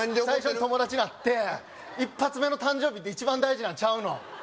最初に友達なって一発目の誕生日って一番大事なんちゃうの？